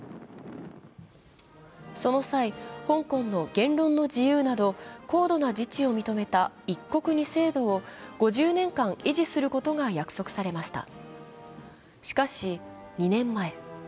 その際、香港の言論の自由など高度な自治を認めた一国二制度を５０年間維持することが約束されました。